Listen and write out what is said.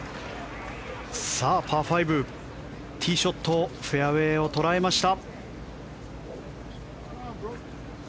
さあパー５、ティーショットフェアウェーを捉えました。